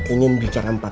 ingin bicara empat minit